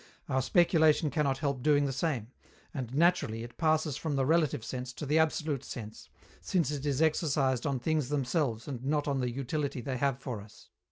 Our speculation cannot help doing the same; and, naturally, it passes from the relative sense to the absolute sense, since it is exercised on things themselves and not on the utility they have for us.